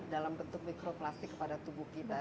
dalam bentuk mikroplastik pada tubuh kita